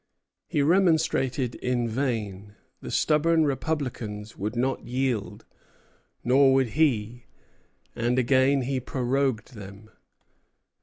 He remonstrated in vain; the stubborn republicans would not yield, nor would he; and again he prorogued them.